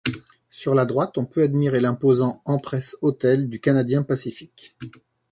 Sur la droite, on peut admirer l'imposant Empress Hotel du Canadien Pacifique.